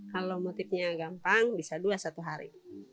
kalau motifnya gampang bisa dua satu hari